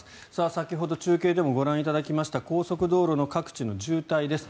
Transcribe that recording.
先ほど中継でもご覧いただきました高速道路の各地の渋滞です。